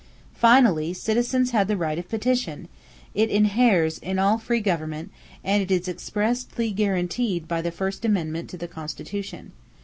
Finally citizens had the right of petition; it inheres in all free government and it is expressly guaranteed by the first amendment to the Constitution.